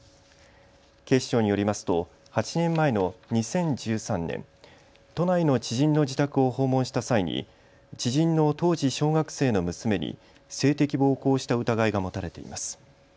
警視庁によりますと８年前の２０１３年、都内の知人の自宅を訪問した際に知人の当時小学生の娘に性的暴行をした疑いが持たれています。